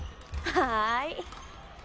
はい。